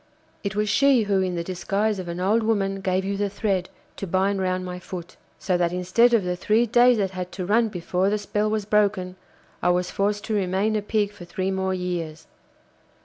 It was she who in the disguise of an old woman gave you the thread to bind round my foot. So that instead of the three days that had to run before the spell was broken, I was forced to remain a Pig for three more years.